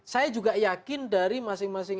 saya juga yakin dari masing masing